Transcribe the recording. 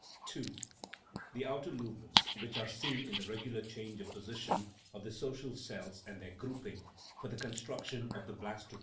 (2) the outer movements, which are seen in the regular change of position of the social cells and their grouping for the construction of the blastoderm.